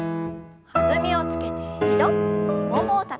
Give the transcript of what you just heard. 弾みをつけて２度ももをたたいて。